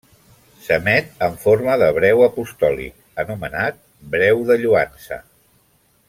S'emet en forma de breu apostòlic, anomenat breu de lloança.